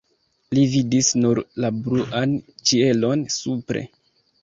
Li vidis nur la bluan ĉielon supre.